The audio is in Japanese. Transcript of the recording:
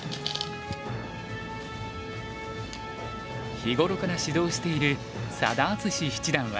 日頃から指導している佐田篤史七段は。